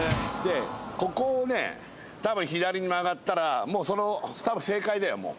ここをね多分左に曲がったらもうその多分正解だよもう。